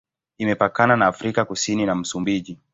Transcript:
Imepakana na Afrika Kusini na Msumbiji.